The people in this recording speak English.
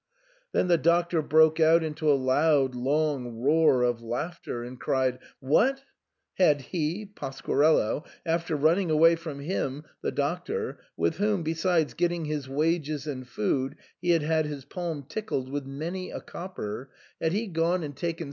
Then the Doctor broke out into a loud long roar of laughter, and cried, What ! Had he (Pasquarello) after running away from him (the Doctor), with whom, be sides getting his wages and food, he had had his palm tickled with many a copper, had he gone and taken SIGNOR FORMICA.